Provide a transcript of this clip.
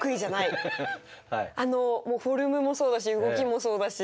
あのフォルムもそうだし動きもそうだし